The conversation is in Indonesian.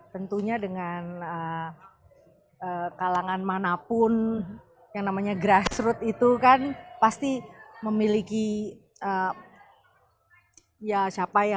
tentunya dengan kalangan manapun yang namanya grassroot itu kan pasti memiliki ya siapa ya